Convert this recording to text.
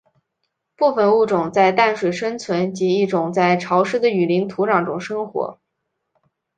部分物种在淡水生存及一种在潮湿的雨林土壤中生活。